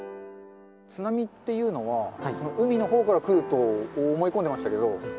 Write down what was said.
津波っていうのは、海のほうから来ると思い込んでましたけど。